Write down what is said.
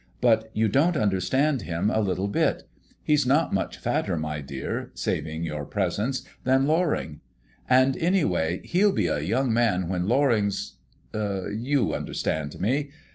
But you don't understand him a little bit. He's not much fatter, my dear, saving your presence, than Loring; and, any way, he'll be a young man when Loring's you understand me.